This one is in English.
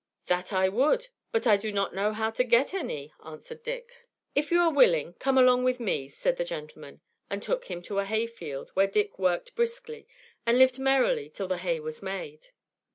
"That I would, but I do not know how to get any," answered Dick. "If you are willing, come along with me," said the gentleman, and took him to a hay field, where Dick worked briskly, and lived merrily till the hay was made.